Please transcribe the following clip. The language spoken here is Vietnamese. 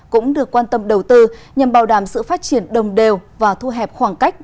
cũng được quan tâm đầu tư nhằm bảo đảm sự phát triển đồng đều và thu hẹp khoảng cách